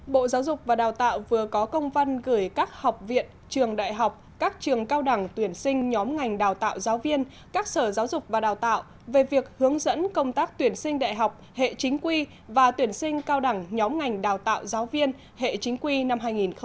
bộ giáo dục và đào tạo vừa có công văn gửi các học viện trường đại học các trường cao đẳng tuyển sinh nhóm ngành đào tạo giáo viên các sở giáo dục và đào tạo về việc hướng dẫn công tác tuyển sinh đại học hệ chính quy và tuyển sinh cao đẳng nhóm ngành đào tạo giáo viên hệ chính quy năm hai nghìn hai mươi